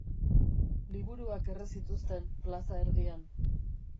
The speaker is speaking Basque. Liburuak erre zituzten plaza erdian.